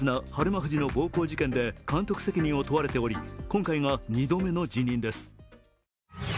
富士の暴行事件で監督責任を問われており、今回が２度目の辞任です。